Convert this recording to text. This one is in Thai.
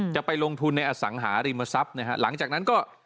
จะไปลงทุนในอสังหาริมทรัพย์นะฮะหลังจากนั้นก็